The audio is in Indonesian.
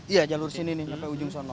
iya jalur sini nih sampai ujung sana